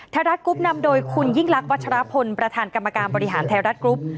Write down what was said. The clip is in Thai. ไทยรัฐกรุ๊ปนำโดยคุณยิ่งลักษณวัชรพลประธานกรรมการบริหารไทยรัฐกรุ๊ป